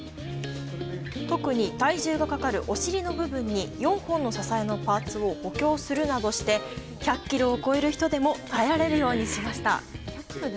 特に体重がかかる、お尻の部分に４本の支えのパーツを補強するなどして、１００キロを超える人でも耐えられるようにしました。